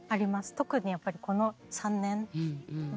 特にやっぱりこの３年は。